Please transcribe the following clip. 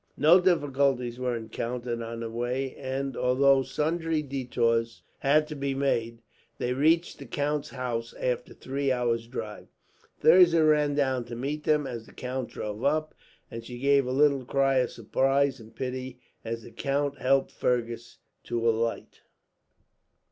No difficulties were encountered on the way and, although sundry detours had to be made, they reached the count's house after a three hours' drive. Thirza ran down to meet them as the count drove up; and she gave a little cry of surprise, and pity, as the count helped Fergus to alight.